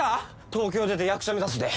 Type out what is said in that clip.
東京出て役者目指すで！